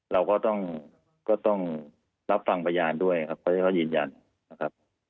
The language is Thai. เราก็ต้องรับฟังพยานด้วยครับเพราะฉะนั้นเขายืนยันนะครับ